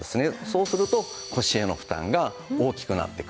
そうすると腰への負担が大きくなってくるんです。